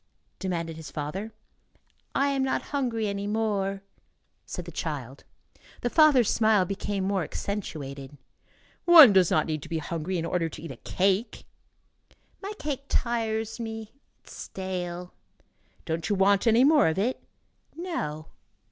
demanded his father. "I am not hungry any more," said the child. The father's smile became more accentuated. "One does not need to be hungry in order to eat a cake." "My cake tires me. It is stale." "Don't you want any more of it?" "No."